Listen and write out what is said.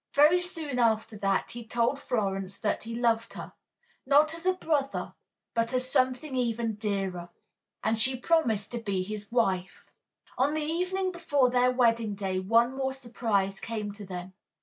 Very soon after that he told Florence that he loved her not as a brother, but as something even dearer and she promised to be his wife. On the evening before their wedding day one more surprise came to them.